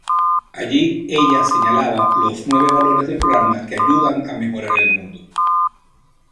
Allí ella señalaba los nueve valores del programa que ayudan a mejorar el mundo.